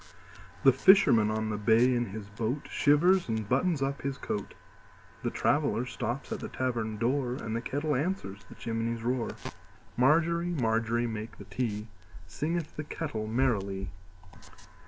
The fisherman on the bay in his boatShivers and buttons up his coat; The traveller stops at the tavern door, And the kettle answers the chimney's roar. Margery, Margery, make the tea, Singeth the kettle merrily.